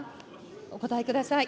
お答えください。